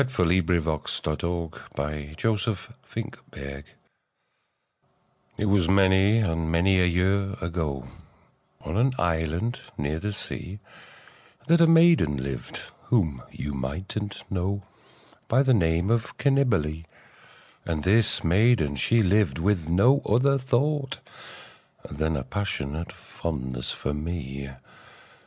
V^ Unknown, } 632 Parody A POE 'EM OF PASSION It was many and many a year ago, On an island near the sea, That a maiden lived whom you migbtnH know By the name of Cannibalee; And this maiden she lived with no other thought Than a passionate fondness for me.